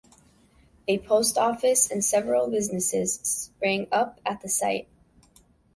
A post office and several businesses sprang up at the site.